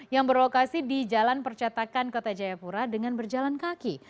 yang berlokasi di jalan percetakan kota jayapura dengan berjalan kaki